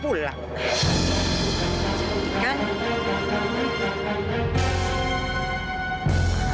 mudah mudahan si umar belum pulang